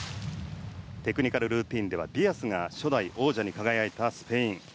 テクニカルルーティンではディアスが世界王者に輝いたスペイン。